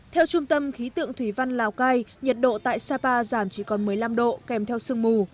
theo trung tâm khí tượng thủy văn lào cai nhiệt độ tại sapa giảm chỉ còn một mươi năm độ kèm theo sương mù